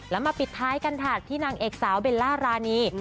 แล้วมาปิดท้ายกันค่ะที่นางเอกสาวเบลล่ารานี